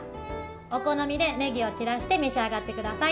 お好みで、ねぎを散らして召し上がってください。